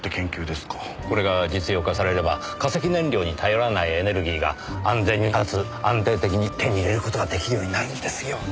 これが実用化されれば化石燃料に頼らないエネルギーが安全にかつ安定的に手に入れる事ができるようになるんですよ。